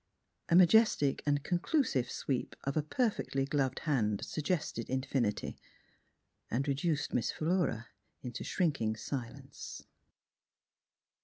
A majestic and conclusive sweep i6 Miss Philura of a perfectly gloved hand suggested infinity and reduced Miss Philura into shrinking silence.